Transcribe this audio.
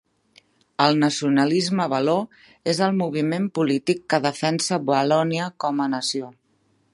El nacionalisme való és el moviment polític que defensa Valònia com a nació.